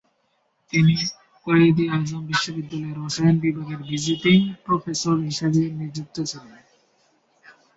তিনি কয়েদ-ই-আজম বিশ্ববিদ্যালয়ের রসায়ন বিভাগের ভিজিটিং প্রফেসর হিসাবে নিযুক্ত ছিলেন।